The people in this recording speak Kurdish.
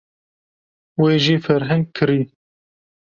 Wê jî ferheng kirî.